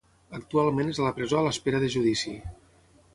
Actualment és a la presó a l'espera de judici.